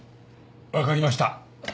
分かりました。